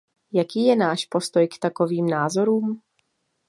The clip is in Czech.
Jaký je náš postoj k takovým názorům?